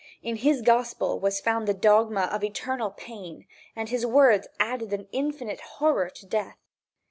In his gospel was found the dogma of eternal pain, and his words added an infinite horror to death.